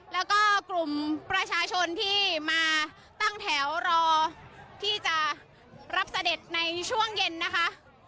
แล้วก็กลุ่มประชาชนที่มาตั้งแถวรอที่จะรับเสด็จในช่วงเย็นนะคะ